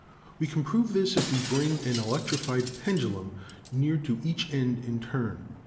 We can prove this if we bring an electrified pendulum near to each end in turn.